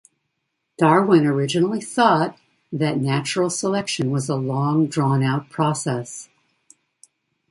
Darwin originally thought that natural selection was a long, drawn out process.